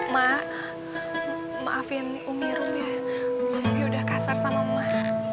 mak maafin umirunya mami udah kasar sama emak